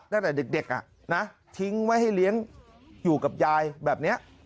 ตั้งแต่เด็กทิ้งไว้ให้เลี้ยงอยู่กับยายแบบนี้